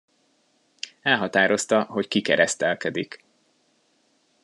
Elhatározta, hogy kikeresztelkedik.